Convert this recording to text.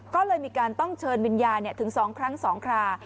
ก็เลยมีการต้องเชิญวิญญาณถึง๒ครั้ง๒ครา